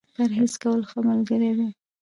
پرهېز کول ، ښه ملګری دی.